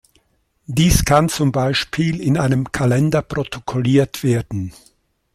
Dies kann zum Beispiel in einem Kalender protokolliert werden.